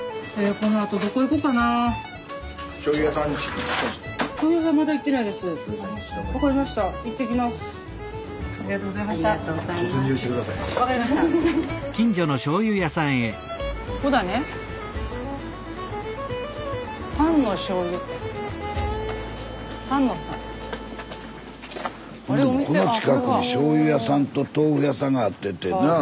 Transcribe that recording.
こんな近くにしょうゆ屋さんと豆腐屋さんがあってってなあ。